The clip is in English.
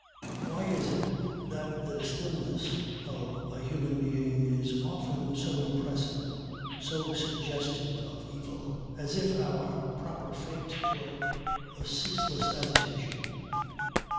Why is it that the stillness of a human being is often so impressive, so suggestive of evil as if our proper fate were a ceaseless agitation?